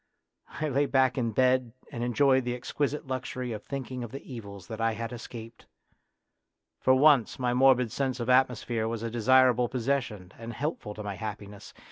" I lay back in bed and enjoyed the exquisite luxury of thinking of the evils that I had escaped. For once my morbid sense of atmosphere was a desirable possession and helpful to my happi ness.